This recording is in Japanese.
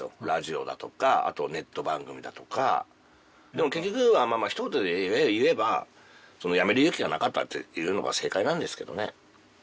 ラジオだとかあとネット番組だとかでも結局はまぁまぁひと言で言えばやめる勇気がなかったというのが正解なんですけどね